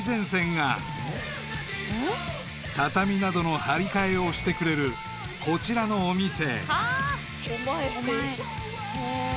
［畳などの張り替えをしてくれるこちらのお店］